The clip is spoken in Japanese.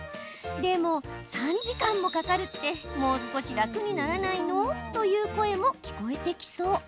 でも３時間もかかるってもう少し楽にならないの？という声も聞こえてきそう。